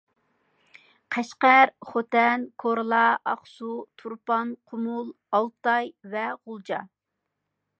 قەشقەر، خوتەن، كورلا، ئاقسۇ، تۇرپان، قۇمۇل، ئالتاي ۋە غۇلجا